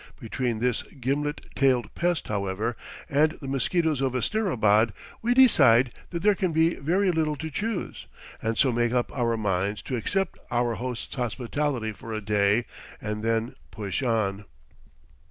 Between this gimlet tailed pest, however, and the mosquitoes of Asterabad we decide that there can be very little to choose, and so make up our minds to accept our host's hospitality for a day and then push on.